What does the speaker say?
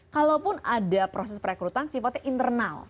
kalaupun ada proses perekrutan sifatnya internal